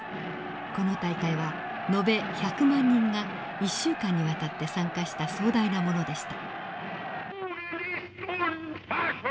この大会は延べ１００万人が１週間にわたって参加した壮大なものでした。